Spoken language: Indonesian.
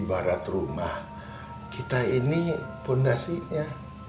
barat rumah kita ini fondasinya